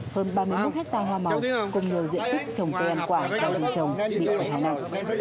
hơn ba mươi lúc hectare hoa màu cùng nhiều diện tích thồng kèm quả đau dị trồng bị hỏa nặng